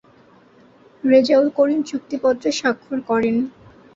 রেজাউল করিম চুক্তিপত্রে স্বাক্ষর করেন।